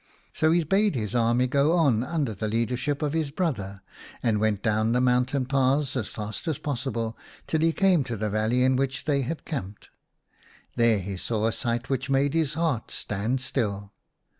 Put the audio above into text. So he bade his army 13 Setuli ; i go on under the leadership of his brother, and went down the mountain paths as fast as possible till he came to the valley in which they had camped. There he saw a sight which made his heart stand still.